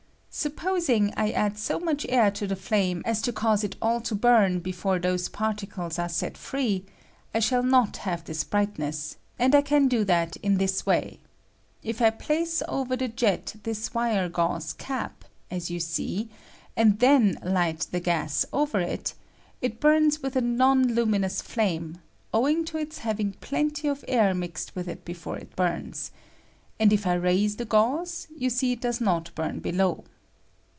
Supposing I add so much air to the flame as to cause it all to burn before those particles are set free, I shall not have this brightness ; and I can do that in this way : If I place over the jet this wire gauze cap, as you see, and then hght the gas over it, it burns with a non lu minons flame, owing to its having plenty of air mixed with it before it bnrna ; and if I raise the gauze, you see it does not burn below.